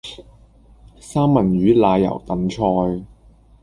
三文魚奶油燉菜